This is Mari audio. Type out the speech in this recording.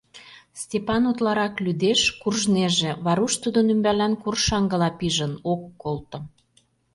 Степан утларак лӱдеш, куржнеже, Варуш тудын ӱмбалан коршаҥгыла пижын, ок колто.